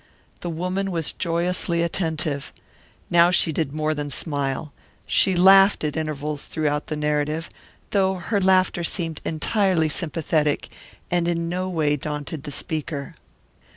The woman was joyously attentive. Now she did more than smile. She laughed at intervals throughout the narrative, though her laughter seemed entirely sympathetic and in no way daunted the speaker.